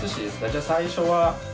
じゃあ最初は。